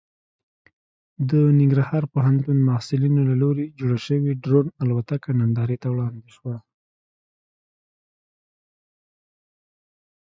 د ننګرهار پوهنتون محصلینو له لوري جوړه شوې ډرون الوتکه نندارې ته وړاندې شوه.